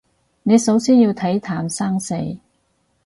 你首先要睇淡生死